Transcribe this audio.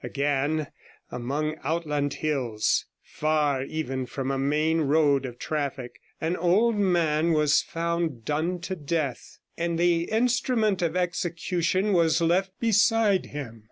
Again, amongst outland hills, far even from a main road of traffic, an old man was found done to death, and the instrument of execution was left beside him.